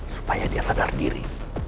supaya dia sadar diri